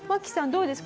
どうです？